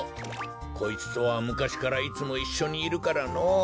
こいつとはむかしからいつもいっしょにいるからのぉ。